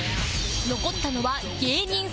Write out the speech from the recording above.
残ったのは芸人３人